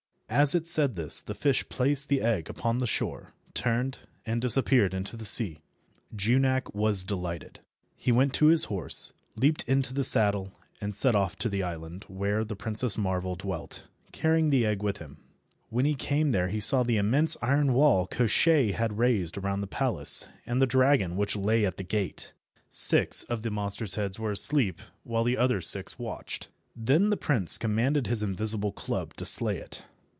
As it said this the fish placed the egg upon the shore, turned, and disappeared in the sea. Junak was delighted. He went to his horse, leaped into the saddle, and set off to the island where the Princess Marvel dwelt, carrying the egg with him. When he came there he saw the immense iron wall Koshchei had raised around the palace, and the dragon which lay at the gate. Six of the monster's heads were asleep, while the other six watched. Then the prince commanded his invisible club to slay it.